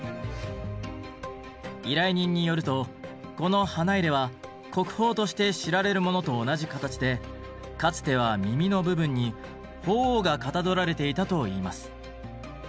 依頼人によるとこの花入は国宝として知られるものと同じ形でかつては耳の部分に鳳凰がかたどられていたといいます。